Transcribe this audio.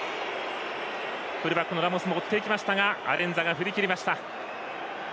フルバックのラモスも追っていきましたがアレンザが振り切りました。